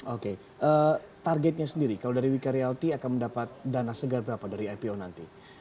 oke targetnya sendiri kalau dari wika realty akan mendapat dana segar berapa dari ipo nanti